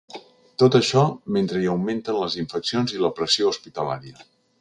Tot això mentre hi augmenten les infeccions i la pressió hospitalària.